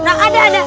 nah ada ada